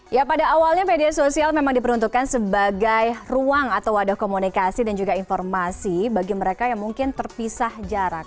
ya pada awalnya media sosial memang diperuntukkan sebagai ruang atau wadah komunikasi dan juga informasi bagi mereka yang mungkin terpisah jarak